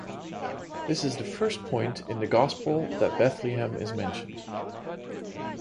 This is the first point in the Gospel that Bethlehem is mentioned.